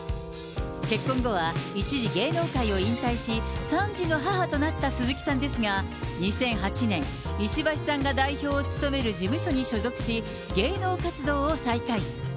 結婚後は、一時、芸能界を引退し、３児の母となった鈴木さんですが、２００８年、石橋さんが代表を務める事務所に所属し、芸能活動を再開。